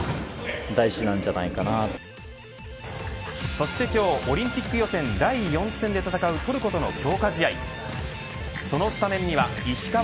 そして今日オリンピック予選第４戦で戦うトルコとの強化試合。